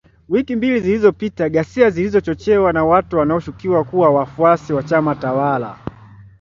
Wiki mbili zilizopita ghasia zilizochochewa na watu wanaoshukiwa kuwa wafuasi wa chama tawala